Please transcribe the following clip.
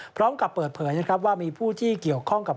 พร้อมกับเปิดเผยนะครับว่ามีผู้ที่เกี่ยวข้องกับ